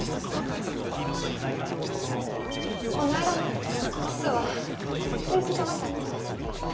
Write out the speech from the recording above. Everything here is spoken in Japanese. こないだのキスは本気じゃなかった？